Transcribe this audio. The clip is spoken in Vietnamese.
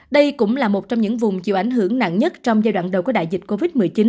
đây cũng là một trong những vùng chịu ảnh hưởng nặng nhất trong giai đoạn đầu của đại dịch covid một mươi chín